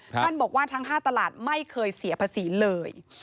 ท่านบอกว่าทั้ง๕ตลาดไม่เคยเสียภาษีเลย